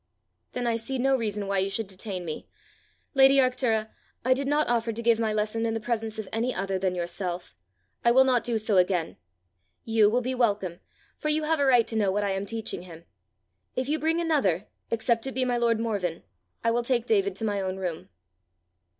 "Then I see no reason why you should detain me. Lady Arctura, I did not offer to give my lesson in the presence of any other than yourself: I will not do so again. You will be welcome, for you have a right to know what I am teaching him. If you bring another, except it be my lord Morven, I will take David to my own room."